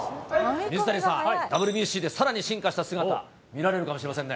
水谷さん、ＷＢＣで、さらに進化した姿、見られるかもしれませんね。